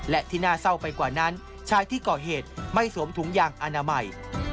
และที่น่าเศร้าไปกว่านั้นชายที่ก่อเหตุไม่สวมถุงยางอนามัย